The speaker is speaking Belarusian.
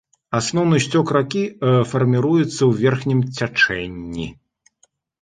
Асноўны сцёк ракі фарміруецца ў верхнім цячэнні.